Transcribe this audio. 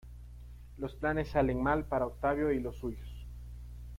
Los planes salen mal para Octavio y los suyos